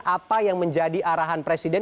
apa yang menjadi arahan presiden